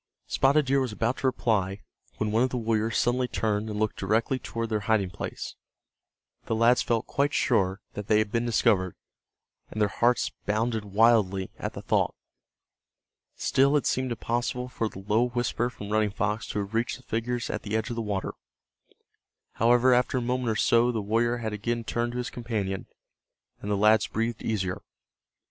Spotted Deer was about to reply when one of the warriors suddenly turned and looked directly toward their hiding place. The lads felt quite sure that they had been discovered, and their hearts bounded wildly at the thought. Still it seemed impossible for the low whisper from Running Fox to have reached the figures at the edge of the water. However, after a moment or so the warrior had again turned to his companion, and the lads breathed easier.